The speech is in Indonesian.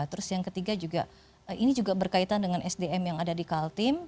terus yang ketiga juga ini juga berkaitan dengan sdm yang ada di kaltim